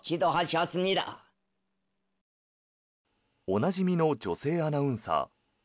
おなじみの女性アナウンサー。